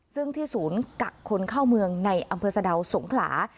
ซึ่งที่ศูนย์กักคนเข้าเมืองในอำเภอสะดาวสงขลา